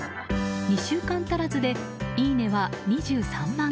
２週間足らずでいいねは２３万